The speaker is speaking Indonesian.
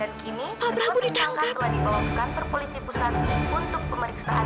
dan kini kesempatan kesangkaan telah dibawahkan perpolisi pusat ini untuk pemeriksaan